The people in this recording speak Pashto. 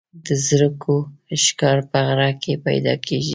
د زرکو ښکار په غره کې پیدا کیږي.